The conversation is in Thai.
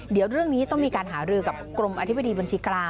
เดี๋ยวเรื่องนี้ต้องมีการหารือกับกรมอธิบดีบัญชีกลาง